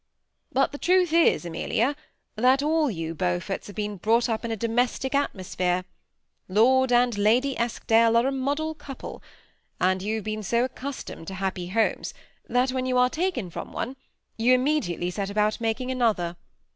But the truth is, Amelia, that all you Beau forts have been brought up in a domestic atmosphere. Lord and Lady Eskdale are a model couple, and you have all been so accustomed to happy homes, that when you are taken from one you immediately set about making another.